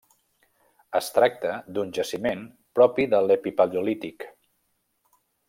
Es tracta d'un jaciment propi de l'epipaleolític.